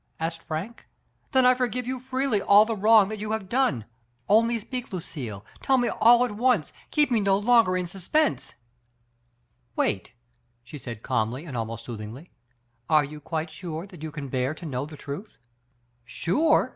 asked Frank. "Then I forgive you freely all the wrong you have done — only speak, Lucille, tell me all at once, keep me no longer in suspense !" "Wait," she said calmly and almost soothingly, areyou quite sure iJiat you can bear to know the truth?" Digitized by Google F. ANSTEY, 309 "Sure?"